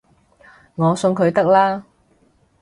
我送佢得喇